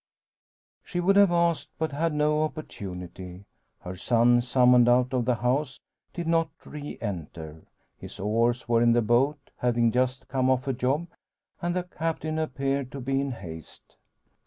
She would have asked, but had no opportunity. Her son, summoned out of the house, did not re enter; his oars were in the boat, having just come off a job; and the Captain appeared to be in haste.